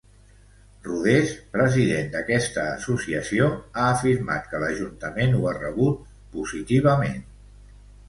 Rodés, president d'aquesta associació, ha afirmat que l'Ajuntament ho ha rebut positivament.